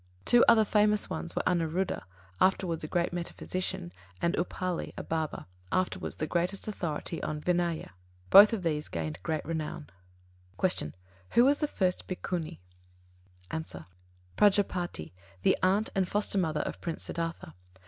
Two other famous ones were Anuruddha, afterwards a great metaphysician, and Upāli, a barber, afterwards the greatest authority on Vinaya. Both of these gained great renown. 90. Q. Who was the first Bhikkuni? A. Prajāpatī, the aunt and foster mother of Prince Siddhārtha.